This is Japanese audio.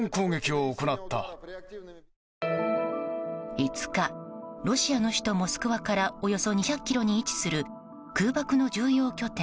５日ロシアの首都モスクワからおよそ２００ｋｍに位置する空爆の重要拠点